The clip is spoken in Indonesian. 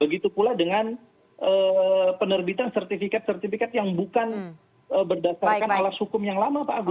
begitu pula dengan penerbitan sertifikat sertifikat yang bukan berdasarkan alas hukum yang lama pak agus